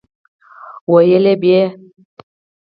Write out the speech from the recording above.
ويل به يې